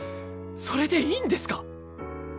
それでいいんですか！？